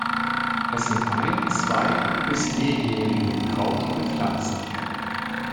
Es sind ein-, zwei- bis mehrjährige krautige Pflanzen.